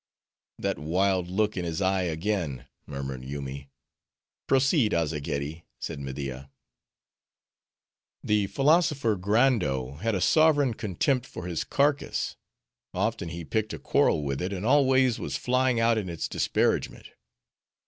"That wild look in his eye again," murmured Yoomy. "Proceed, Azzageddi," said Media. "The philosopher Grando had a sovereign contempt for his carcass. Often he picked a quarrel with it; and always was flying out in its disparagement.